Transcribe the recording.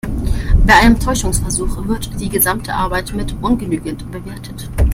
Bei einem Täuschungsversuch wird die gesamte Arbeit mit ungenügend bewertet.